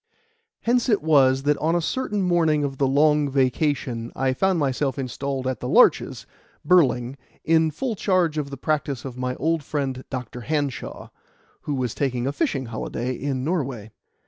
Hence it was that on a certain morning of the long vacation I found myself installed at The Larches, Burling, in full charge of the practice of my old friend Dr. Hanshaw, who was taking a fishing holiday in Norway.